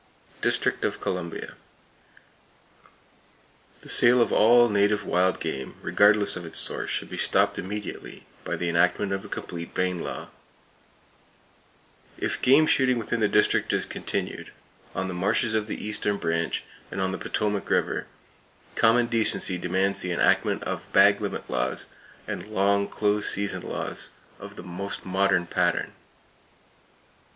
District Of Columbia: The sale of all native wild game, regardless of its source, should be stopped immediately, by the enactment of a complete Bayne law. If game shooting within the District is continued, on the marshes of the Eastern Branch and on the Potomac River, common decency demands the enactment of bag limit laws and long close season laws of the most modern pattern.